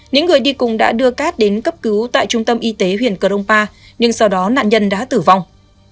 những người đi cùng đã đưa cát đến cấp cứu tại trung tâm y tế huyện cờ rông pa nhưng sau đó nạn nhân đã tử vong